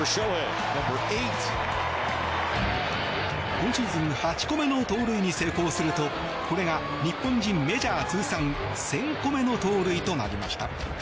今シーズン８個目の盗塁に成功するとこれが日本人メジャー通算１０００個目の盗塁となりました。